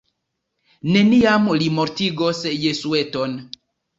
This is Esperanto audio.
Neniam li mortigos Jesueton.